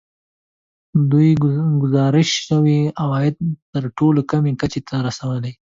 دوی ګزارش شوي عواید تر ټولو کمې کچې ته رسولي